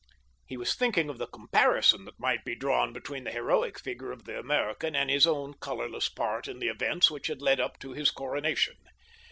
He was thinking of the comparison that might be drawn between the heroic figure of the American and his own colorless part in the events which had led up to his coronation.